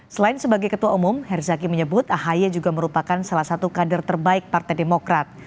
selain sebagai ketua umum herzaki menyebut ahy juga merupakan salah satu kader terbaik partai demokrat